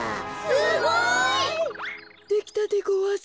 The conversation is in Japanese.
すごい。できたでごわす。